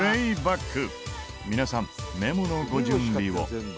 皆さんメモのご準備を。